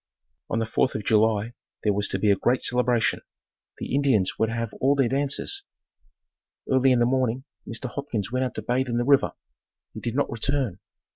On the Fourth of July there was to be a great celebration. The Indians were to have all their dances. Early in the morning, Mr. Hopkins went out to bathe in the river. He did not return.